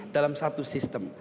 dalam satu sistem